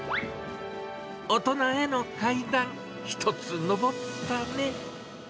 大人への階段、一つ上ったね。